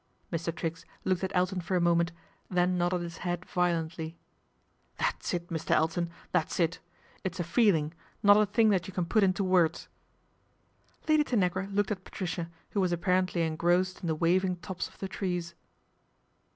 Mr. Triggs looked at Elton for a moment, then nodded his head violently. " That's it, Mr. Elton, that's it. It's a feeling, not a thing that you can put into words." Lady Tanagra looked at Patricia, who was apparently engrossed in the waving tops of the trees.